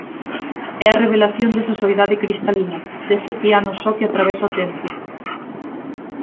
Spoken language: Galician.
É a revelación desa soidade cristalina, dese piano só que atravesa o tempo.